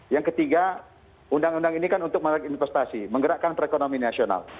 yang ketiga undang undang ini kan untuk investasi menggerakkan perekonomian nasional